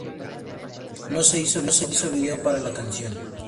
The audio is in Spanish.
No se hizo video para la canción.